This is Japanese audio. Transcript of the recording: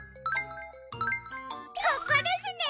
ここですね！